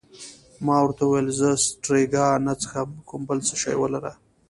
ما ورته وویل: زه سټریګا نه څښم، کوم بل شی ولره.